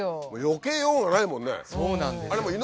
よけようがないもんね。